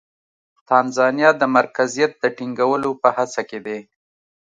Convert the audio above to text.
تانزانیا د مرکزیت د ټینګولو په هڅه کې دی.